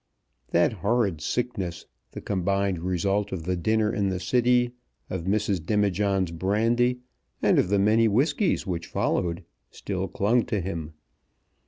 That horrid sickness, the combined result of the dinner in the City, of Mrs. Demijohn's brandy, and of the many whiskies which followed, still clung to him.